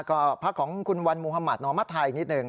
ก็พักของคุณวันมุธมัธนอมัตทาอีกนิดหนึ่ง